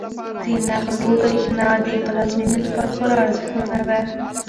د نغلو برښنا د پلازمینې لپاره خورا ارزښتمنه ده.